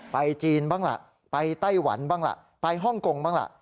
จีนบ้างล่ะไปไต้หวันบ้างล่ะไปฮ่องกงบ้างล่ะ